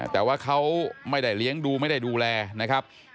แต่ว่าเขาไม่ได้เลี้ยงดูไม่ได้ดูแลนะครับ